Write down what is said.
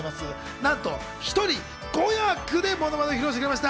なんと１人５役でものまねを披露してくれました。